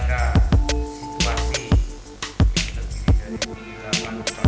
di balikan seluruh kementrian